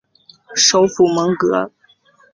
首府蒙戈。